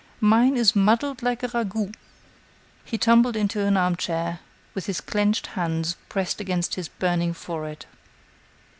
Mine is muddled like a ragout." He tumbled into an armchair, with his clenched hands pressed against his burning forehead.